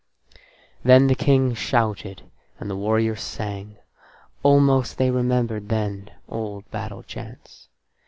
Then the King shouted and the warriors sang almost they remembered then old battle chants.